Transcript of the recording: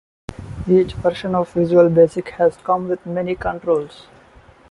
Each version of Visual Basic has come with many controls.